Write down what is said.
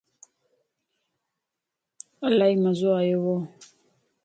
الائي مزو آيوو